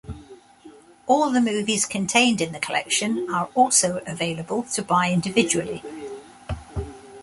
All the movies contained in the collection are also available to buy individually.